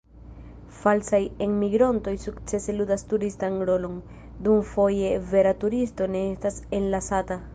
Falsaj enmigrontoj sukcese ludas turistan rolon, dum foje vera turisto ne estas enlasata.